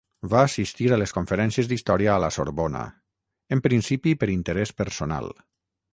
Va assistir a les conferències d'història a la Sorbona, en principi per interès personal.